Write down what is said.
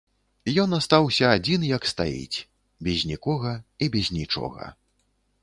Ён астаўся адзін як стаіць, без нікога і без нічога.